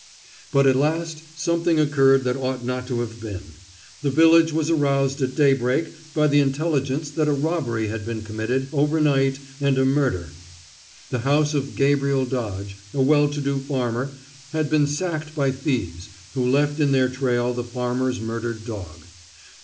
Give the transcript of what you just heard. But at last something occurred that ought not to have been. The village was aroused at daybreak by the intelligence that a robbery had been committed overnight, and a murder. The house of Gabriel Dodge, a well to do farmer, had been sacked by thieves, who left in their trail the farmer's murdered dog.